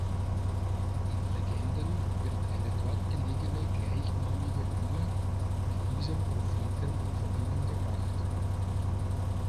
In Legenden wird eine dort gelegene gleichnamige Höhle mit diesem Propheten in Verbindung gebracht.